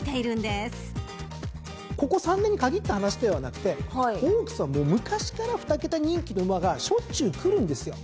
ここ３年に限った話ではなくてオークスはもう昔から２桁人気の馬がしょっちゅうくるんですよ。